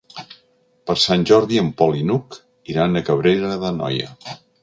Per Sant Jordi en Pol i n'Hug iran a Cabrera d'Anoia.